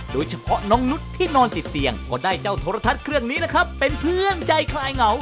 โดยเฉพาะน้องนุษย์ที่นอนติดเตียงก็ได้เจ้าโทรทัศน์เครื่องนี้นะครับเป็นเพื่อนใจคลายเหงา